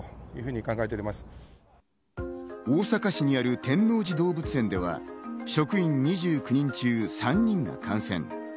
大阪市にある天王寺動物園では職員２９人中３人が感染。